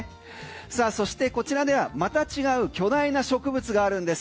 さあそしてこちらではまた違う巨大な植物があるんです。